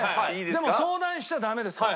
でも相談しちゃダメですからね。